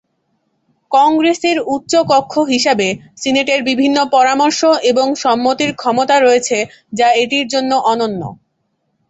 কংগ্রেসের উচ্চ কক্ষ হিসাবে, সিনেটের বিভিন্ন পরামর্শ এবং সম্মতির ক্ষমতা রয়েছে যা এটির জন্য অনন্য।